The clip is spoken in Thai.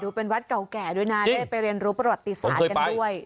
เป็นวัดเก่าแก่ด้วยนะได้ไปเรียนรู้ประวัติศาสตร์กันด้วย